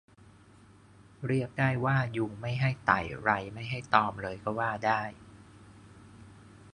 เรียกได้ว่ายุงไม่ให้ไต่ไรไม่ให้ตอมเลยก็ว่าได้